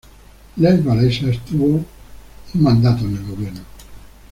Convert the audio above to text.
Lech Wałęsa estuvo un mandato en el gobierno.